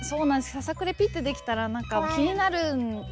ささくれピッてできたらなんか気になるじゃないですか。